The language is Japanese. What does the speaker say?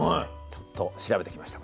ちょっと調べてきました。